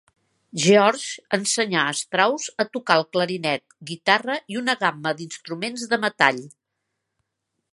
Georg ensenyà a Strauss a tocar el clarinet, guitarra i una gamma d'instruments de metall.